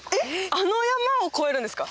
あの山を越えるんですか？